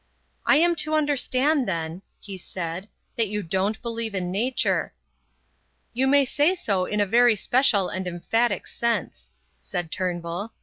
"I am to understand, then," he said, "that you don't believe in nature." "You may say so in a very special and emphatic sense," said Turnbull.